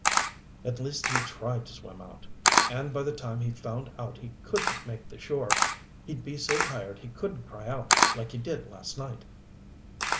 At least he'd try to swim out. And by the time he found out he couldn't make the shore, he'd be so tired he couldn't cry out like he did last night."